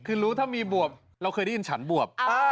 คือรู้ถ้ามีบวบเราเคยได้ยินฉันบวบ